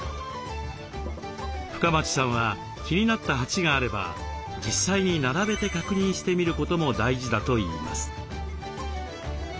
深町さんは気になった鉢があれば実際に並べて確認してみることも大事だといいます。